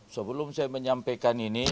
sebelum saya menyampaikan ini